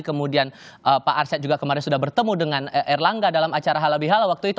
kemudian pak arsyad juga kemarin sudah bertemu dengan erlangga dalam acara halal bihala waktu itu